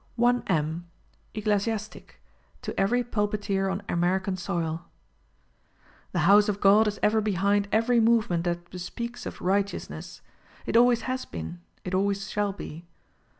IM. Ecclesiastic — To Every Pulpiteer on American Soil. The house of God is ever behind every movement that bespeaks of right eousness. It always has been, it always shall be.